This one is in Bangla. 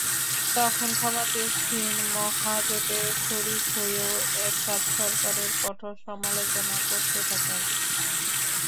তখন ক্ষমতাসীন মহাজোটের শরিক হয়েও এরশাদ সরকারের কঠোর সমালোচনা করতে থাকেন।